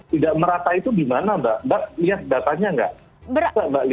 tidak merata itu dimana mbak mbak lihat datanya nggak